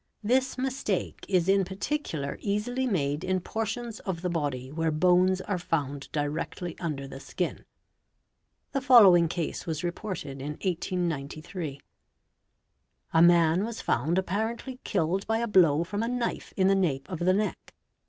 This mistake is — in particular easily made in portions of the body where bones are found GUN SHOT WOUNDS 629 directly under the skin. The following case was reported in 1893. A man was found apparently killed by a blow from a knife in the nape of the neck.